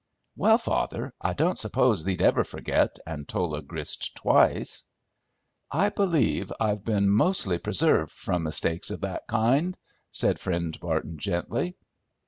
"Well, father, I don't suppose thee'd ever forget, and toll a grist twice!" "I believe I've been mostly preserved from mistakes of that kind," said Friend Barton gently.